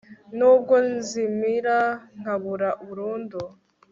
nuburyo nzimira nkabura burundu